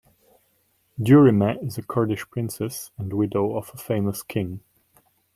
Durimeh is a Kurdish princess and widow of a famous king.